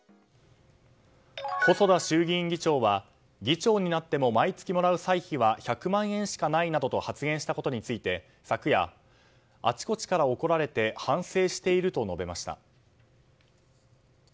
細田衆議院議長は議長になっても毎月もらう歳費は１００万円しかないなどと発言したことについて昨夜、あちこちから怒られて反省していると述べました。